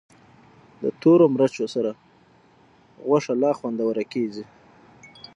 د تورو مرچو سره غوښه لا خوندوره کېږي.